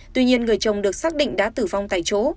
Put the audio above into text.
tuy nhiên người chồng được xác định đã tử vong tại chỗ